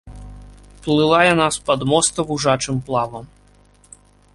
Плыла яна з-пад моста вужачым плавам.